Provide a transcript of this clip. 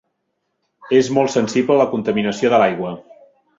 És molt sensible a la contaminació de l'aigua.